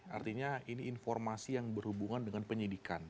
artinya ini informasi yang berhubungan dengan penyidikan